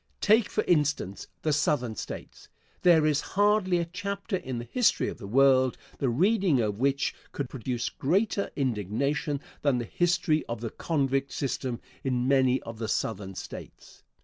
Take, for instance, the Southern States. There is hardly a chapter in the history of the world the reading of which could produce greater indignation than the history of the convict system in many of the Southern States.